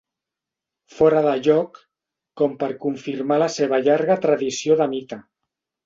Fora de lloc, com per confirmar la seva llarga tradició de mite.